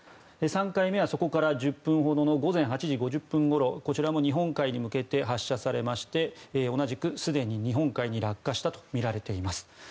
３回目はそこから１０分ほどの午前８時５０分ごろこちらも日本海に向けて発射されまして同じくすでに日本海に落下したとみられています。